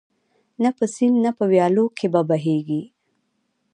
نه په سیند نه په ویالو کي به بهیږي